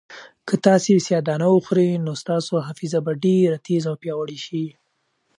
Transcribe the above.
که تاسي سیاه دانه وخورئ نو ستاسو حافظه به ډېره تېزه او پیاوړې شي.